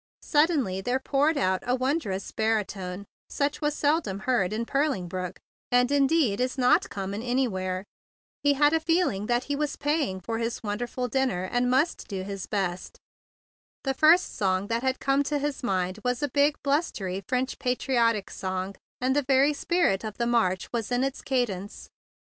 Suddenly there poured forth a wondrous barytone such as was seldom heard in Purling Brook, and indeed is not common anywhere. He had a feeling that he was paying for his wonderful dinner, and must do his best. The first song that had come to his mind was a big, blustery French patri¬ otic song; and the very spirit of the march was in its cadence.